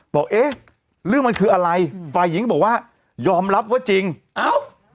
บอกเอ๊ะเรื่องมันคืออะไรฝ่ายหญิงก็บอกว่ายอมรับว่าจริงเอ้า